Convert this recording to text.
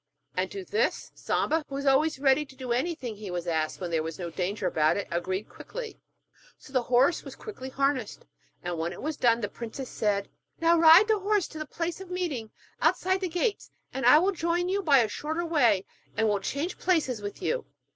And to this Samba, who was always ready to do anything he was asked when there was no danger about it, agreed readily. So the horse was quickly harnessed, and when it was done the princess said: 'Now ride the horse to the place of meeting outside the gates, and I will join you by a shorter way, and will change places with you.'